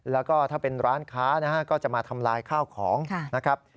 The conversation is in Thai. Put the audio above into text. แล้วก็ถ้าเป็นร้านค้านะฮะก็จะมาทำลายข้าวของนะครับ